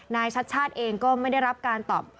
ชัดชาติเองก็ไม่ได้รับการตอบ